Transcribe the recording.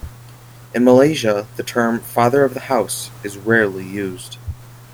In Malaysia the term "Father of the House" is rarely used.